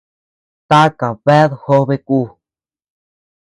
¿Taka bead jobeku?